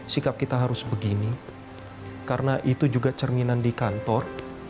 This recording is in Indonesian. sikap kita harus begini karena itu juga cerminan di kantor